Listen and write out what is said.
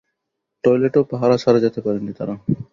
টয়লেটেও পাহারা ছাড়া যেতে পারেননি তাঁরা।